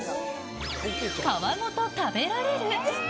皮ごと食べられる。